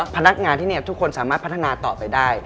พนักงานที่นี่ทุกคนสามารถพัฒนาต่อไปได้